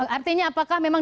artinya apakah memang